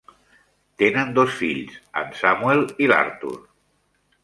Tenen dos fills, en Samuel i l'Artur.